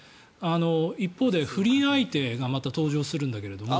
一方で、不倫相手がまた登場するんだけど。